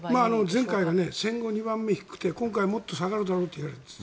前回が戦後２番目に低くて今回もっと下がるだろうといわれています。